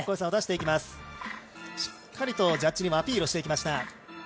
しっかりとジャッジにもアピールをしていきました。